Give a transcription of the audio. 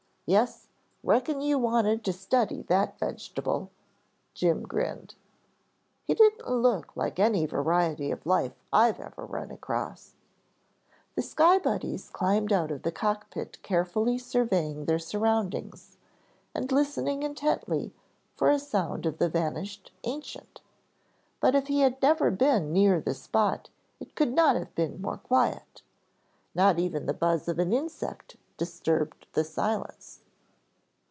"Yes, reckon you wanted to study that vegetable," Jim grinned. "He didn't look like any variety of life I've ever run across." The Sky Buddies climbed out of the cock pit carefully surveying their surroundings and listening intently for a sound of the vanished ancient, but if he had never been near the spot it could not have been more quiet; not even the buzz of an insect disturbed the silence.